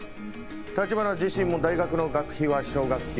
橘自身も大学の学費は奨学金。